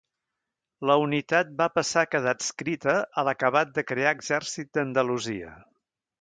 La unitat va passar a quedar adscrita a l'acabat de crear Exèrcit d'Andalusia.